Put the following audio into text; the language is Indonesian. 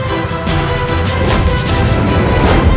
populer bahasa sekarang itu ada